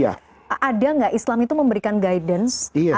ada nggak islam itu memberikan guidance